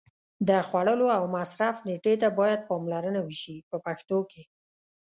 د خوړلو او مصرف نېټې ته باید پاملرنه وشي په پښتو کې.